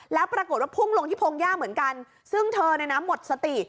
แล้วปรากฏว่าพุ่งลงที่พงหญ้าเหมือนกันซึ่งเธอเนี่ยนะหมดสติ